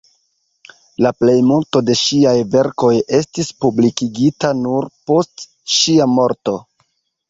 La plejmulto de ŝiaj verkoj estis publikigita nur post ŝia morto.